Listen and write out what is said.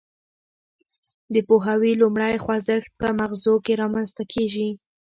د پوهاوي لومړی خوځښت په مغزو کې رامنځته کیږي